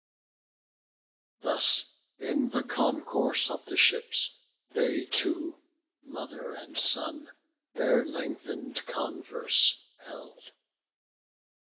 Thus, in the concourse of the ships, they two, Mother and son, their lengthen'd converse held.